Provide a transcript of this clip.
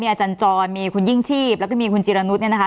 อาจารย์จรมีคุณยิ่งชีพแล้วก็มีคุณจิรนุษย์เนี่ยนะคะ